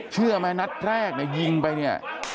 เชื่อไหมนัดแรกเนี่ยยิงไปเนี่ย